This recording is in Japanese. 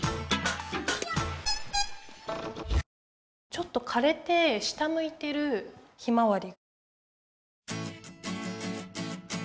ちょっとかれて下むいてるひまわり。